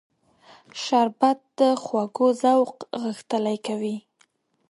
شربت د خوږو ذوق غښتلی کوي